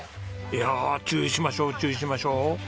いやあ注意しましょう注意しましょう。